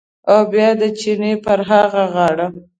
او بیا د چینې پر هغه غاړه